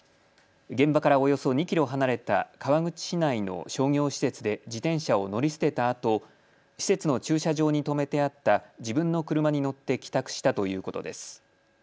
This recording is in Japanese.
現場からおよそ２キロ離れた川口市内の商業施設で自転車を乗り捨てたあと施設の駐車場に止めてあった自分の車に乗って帰宅したということです。